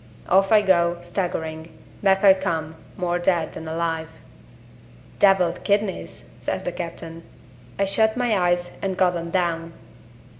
Off I go, staggering back I come, more dead than alive. 'Deviled kidneys,' says the captain. I shut my eyes, and got 'em down.